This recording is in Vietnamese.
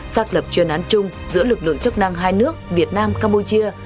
xác lập chuyên án chung giữa lực lượng chức năng hai nước việt nam campuchia